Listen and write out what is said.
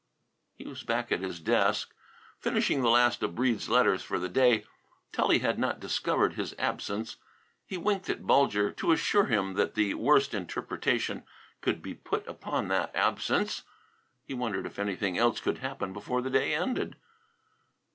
He was back at his desk finishing the last of Breede's letters for the day. Tully had not discovered his absence. He winked at Bulger to assure him that the worst interpretation could be put upon that absence. He wondered if anything else could happen before the day ended.